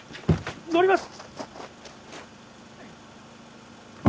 乗ります！